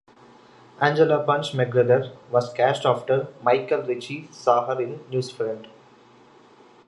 Angela Punch McGregor was cast after Michael Ritchie saw her in "Newsfront".